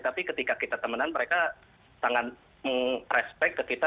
tapi ketika kita temenan mereka sangat meng respect ke kita